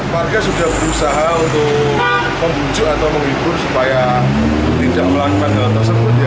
warga sudah berusaha untuk membujuk atau menghibur supaya tidak melakukan hal tersebut